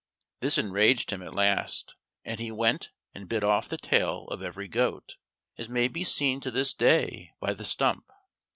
This enraged him at last, and he went and bit off the tail of every goat, as may be seen to this day by the stump.